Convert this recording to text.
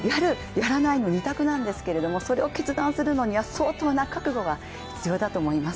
・やらないの二択なんですけれどもそれを決断するのには相当な覚悟が必要だと思います。